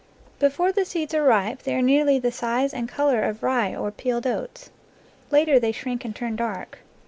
Before the seeds are ripe they are nearly the size and color of rye or peeled oats. Later they shrink and turn dark.